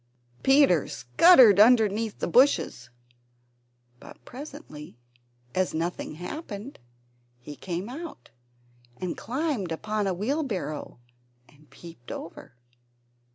Peter scuttered underneath the bushes. But, presently, as nothing happened, he came out, and climbed upon a wheelbarrow, and peeped over.